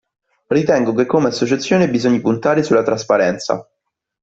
Ritengo che come associazione bisogni puntare sulla trasparenza.